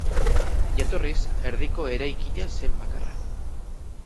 Jatorriz, erdiko eraikina zen bakarra.